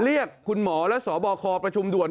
เรียกคุณหมอและสบคประชุมด่วน